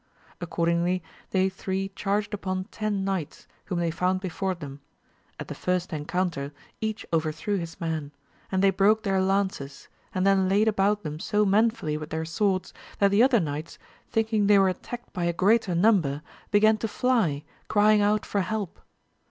Accord ingly they three charged upon ten knights whom they found before them ; at the first encounter each over threw his man, and they broke their lances, and then laid about them so manfully with their swords, that the other knights, thinking they were attacked by a greater number, began to fly, crying out for help!